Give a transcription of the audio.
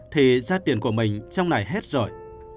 thì ra tiền của mình trong này hết rồi